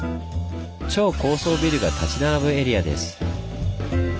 超高層ビルが立ち並ぶエリアです。